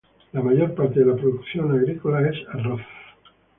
La mayor parte de la producción agrícola es arroz.